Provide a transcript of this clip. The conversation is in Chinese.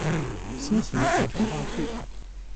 心形的宝石道具。